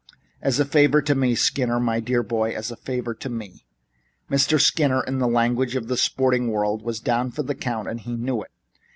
As a favor to me, Skinner, my dear boy, as a favor to me." Mr. Skinner, in the language of the sporting world, was down for the count and knew it.